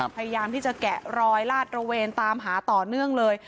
พยายามที่จะแกะรอยลาดระเวนตามหาต่อเนื่องเลย